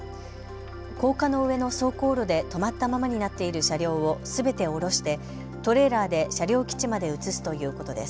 高架の上の走行路で止まったままになっている車両をすべて下ろしてトレーラーで車両基地まで移すということです。